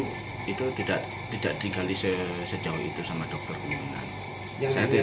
ya kalau lukai itu tidak tinggal sejauh itu sama dokter keminan